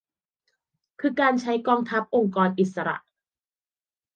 คือการใช้กองทัพ องค์กรอิสระ